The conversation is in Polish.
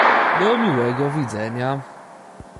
"Do miłego widzenia."